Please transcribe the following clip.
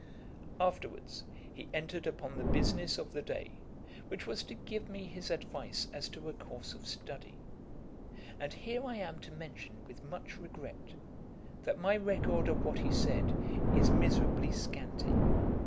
] Afterwards he entered upon the business of the day, which was to give me his advice as to a course of study. And here I am to mention with much regret, that my record of what he said is miserably scanty.